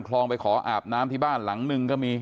คลองไปขออาบน้ำที่บ้านหลังนึงก็มี